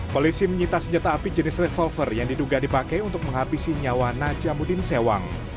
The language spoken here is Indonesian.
polisi menyita senjata api jenis revolver yang diduga dipakai untuk menghabisi nyawa najamuddin sewang